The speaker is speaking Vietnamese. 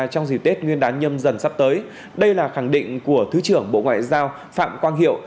trong dịp tết nguyên đán nhâm dần sắp tới đây là khẳng định của thứ trưởng bộ ngoại giao phạm quang hiệu